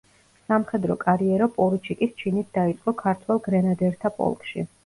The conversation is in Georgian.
სამხედრო კარიერა პორუჩიკის ჩინით დაიწყო ქართველ გრენადერთა პოლკში.